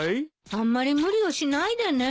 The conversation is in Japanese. あんまり無理をしないでね。